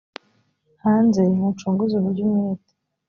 hanze mucunguze uburyo umwete